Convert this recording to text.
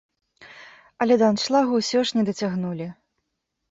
Але да аншлагу ўсё ж не дацягнулі.